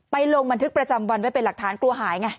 ลงบันทึกประจำวันไว้เป็นหลักฐานกลัวหายไง